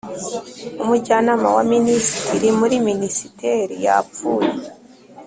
Umujyanama wa Minisitiri muri Minisiteri yapfuye